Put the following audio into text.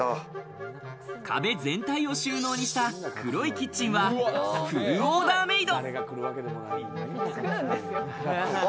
壁全体を収納にした黒いキッチンはフルオーダーメイド。